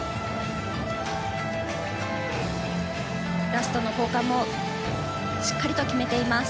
ラストの交換もしっかりと決めています。